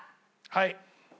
はい。